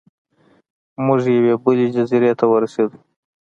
موږ یوې بلې جزیرې ته ورسیدو.